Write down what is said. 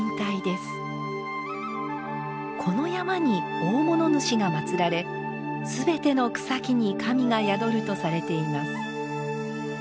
この山に大物主がまつられすべての草木に神が宿るとされています。